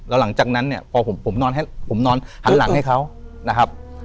แล้วหลังจากนั้นเนี่ยพอผมนอนหันหลังให้เขานะครับ